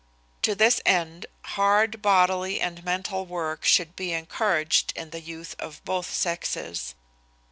To this end hard bodily and mental work should be encouraged in the youth of both sexes.